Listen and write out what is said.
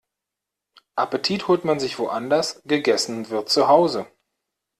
Appetit holt man sich woanders, gegessen wird zu Hause.